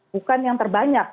bukan yang terbanyak